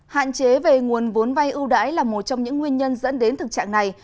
hạn chế về nguồn vốn vay ưu đãi là một trong những nguyên nhân dẫn đến thực trạng này